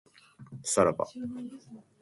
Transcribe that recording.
さらば